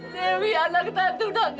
dewi anak tante udah gak mau